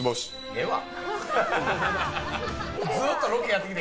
ええわ。